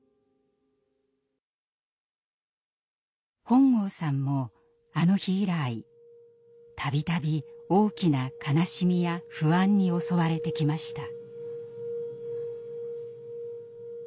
本郷さんもあの日以来度々大きな悲しみや不安に襲われてきました。